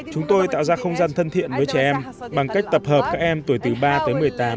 chúng tôi tạo ra không gian thân thiện với trẻ em bằng cách tập hợp các em tuổi từ ba tới một mươi tám